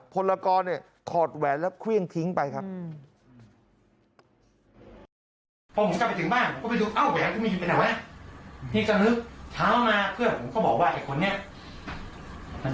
พลกรเนี่ยถอดแหวนแล้วเครื่องทิ้งไปครับ